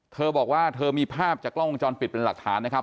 เธอบอกว่าเธอมีภาพจากกล้องวงจรปิดเป็นหลักฐานนะครับ